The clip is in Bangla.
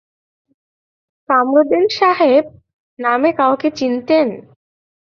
কামরুদিন সাহেব নামে কাউকে চিনতেন?